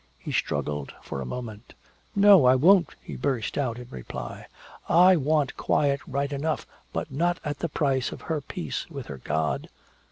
He struggled for a moment. "No, I won't!" he burst out in reply. "I want quiet right enough, but not at the price of her peace with her God!"